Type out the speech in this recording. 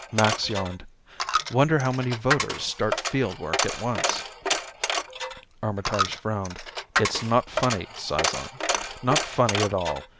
Max yawned. "Wonder how many voters start field work at once." Armitage frowned. "It's not funny, Cizon. Not funny at all.